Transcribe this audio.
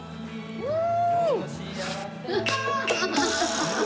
うん！